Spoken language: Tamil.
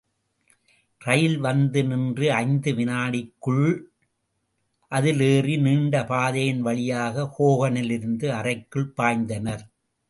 ரயில் வந்து நின்று ஐந்து வினாடிகளுக்குள் அவர்கள் அதில் ஏறி நீண்ட பாதையின் வழியாக ஹோகனிருந்த அறைக்குள் பாய்ந்தனர்.